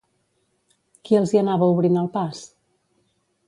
Qui els hi anava obrint el pas?